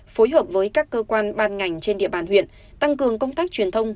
phối hợp với các cơ quan ban ngành trên địa bàn huyện tăng cường công tác truyền thông